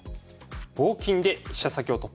「棒金で飛車先を突破！」。